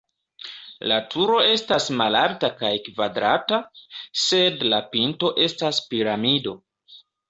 La turo estas malalta kaj kvadrata, sed la pinto estas piramido.